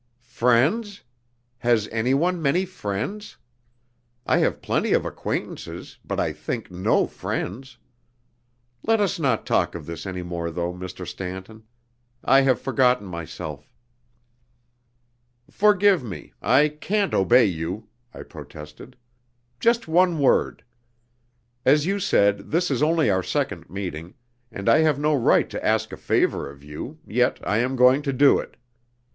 "Friends? Has anyone many friends? I have plenty of acquaintances, but I think no friends. Let us not talk of this any more, though, Mr. Stanton. I have forgotten myself." "Forgive me I can't obey you," I protested. "Just one word. As you said, this is only our second meeting, and I have no right to ask a favour of you, yet I am going to do it.